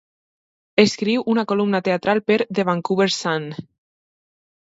Escriu una columna teatral per "The Vancouver Sun".